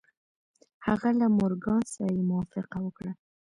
هغه له مورګان سره يې موافقه وکړه.